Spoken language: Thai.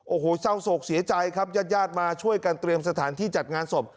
โอ้โหเศร้าโศกเสียใจครับญาติญาติมาช่วยกันเตรียมสถานที่จัดงานศพ